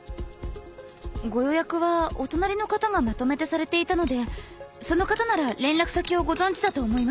ご予約はお隣の方がまとめてされていたのでその方なら連絡先をご存じだと思います。